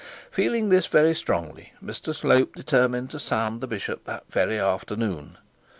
Feeling this very strongly Mr Slope determined to sound the bishop out that very afternoon.